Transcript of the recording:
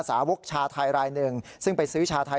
สาวกชาไทยรายหนึ่งซึ่งไปซื้อชาไทย